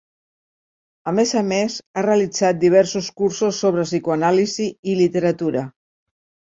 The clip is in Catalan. A més a més, ha realitzat diversos cursos sobre psicoanàlisi i literatura.